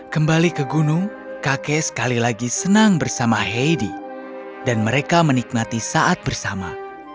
kembali ke gunung kakek sekali lagi senang bersama heidi dan mereka menikmati saat bersama